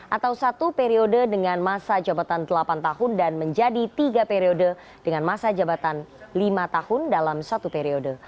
atau satu periode dengan masa jabatan delapan tahun dan menjadi tiga periode dengan masa jabatan lima tahun dalam satu periode